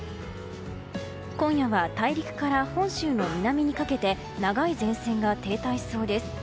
今夜は大陸から本州の南にかけて長い前線が停滞しそうです。